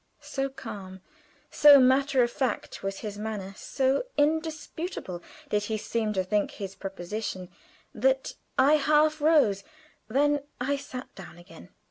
So calm, so matter of fact was his manner, so indisputable did he seem to think his proposition, that I half rose; then I sat down again.